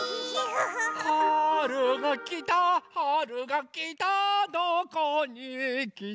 「はるがきたはるがきたどこにきた」